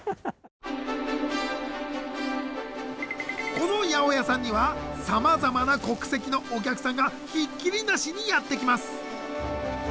この八百屋さんにはさまざまな国籍のお客さんがひっきりなしにやって来ます。